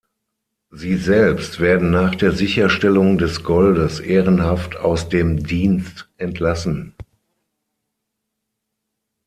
Sie selbst werden nach der Sicherstellung des Goldes ehrenhaft aus dem Dienst entlassen.